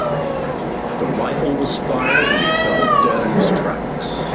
The rifle was fired and he fell dead in his tracks.